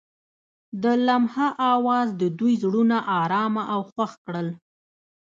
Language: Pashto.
د لمحه اواز د دوی زړونه ارامه او خوښ کړل.